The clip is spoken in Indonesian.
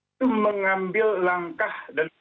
itu mengambil langkah dan